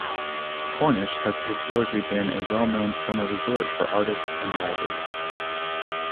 Cornish has historically been a well-known summer resort for artists and writers.